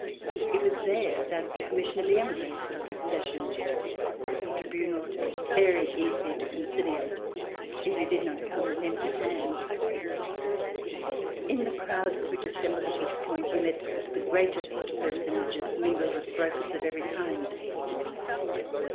It was there that the Com mission of the emigres held its sessions, a tribunal very easy to conciliate if you did not come with empty hands. In the crowds which assembled at this point you met the greatest personages mingled with brokers of every kind.